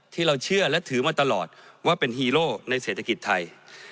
ที่เราเชื่อและถือมาตลอดว่าเป็นฮีโร่ในเศรษฐกิจไทย